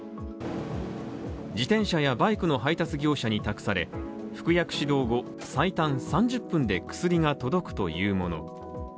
自転車やバイクの配達業者に託され服薬指導後、最短３０分で薬が届くというもの。